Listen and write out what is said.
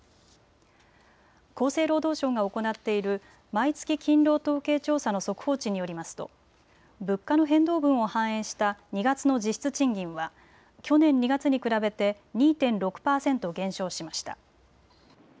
厚生労働省が行っている毎月勤労統計調査の速報値によりますと物価の変動分を反映した２月の実質賃金は去年２月に比べて２．６％減少しました。